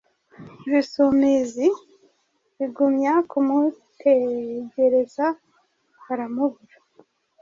Ibisumizi bigumya kumutegereza baramubura.